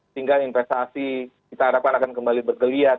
sehingga investasi kita harapkan akan kembali bergeliat